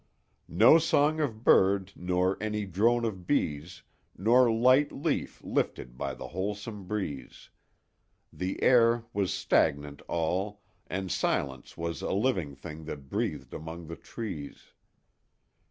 "No song of bird nor any drone of bees, Nor light leaf lifted by the wholesome breeze: The air was stagnant all, and Silence was A living thing that breathed among the trees.